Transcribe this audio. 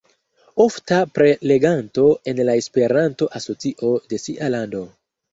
Ofta preleganto en la Esperanto-asocio de sia lando.